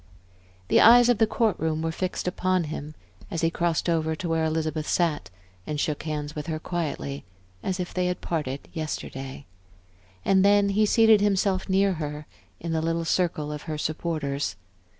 The eyes of the court room were fixed upon him as he crossed over to where Elizabeth sat and shook hands with her quietly, as if they had parted yesterday. And then he seated himself near her, in the little circle of her supporters.